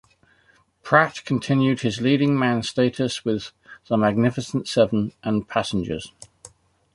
Pratt continued his leading man status with "The Magnificent Seven" and "Passengers".